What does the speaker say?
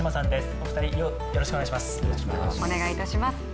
お二人、よろしくお願いします。